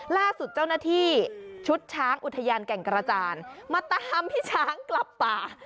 ล่าสุดเจ้าหน้าที่ชุดช้างอุทยานแก่งกระจานมาตามพี่ช้างกลับป่า